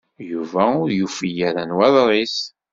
Yuba ur yufi ara nnwaḍer-is.